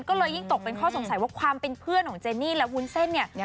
ก็เลยยิ่งตกเป็นข้อสงสัยว่าความเป็นเพื่อนของเจนี่และวุ้นเส้นเนี่ย